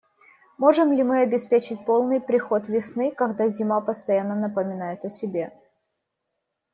Можем ли мы обеспечить полный приход весны, когда зима постоянно напоминает о себе?